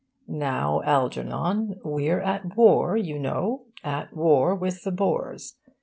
'Now, Algernon, we're at war, you know at war with the Boers.